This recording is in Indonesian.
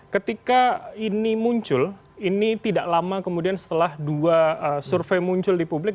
ketika ini muncul ini tidak lama kemudian setelah dua survei muncul di publik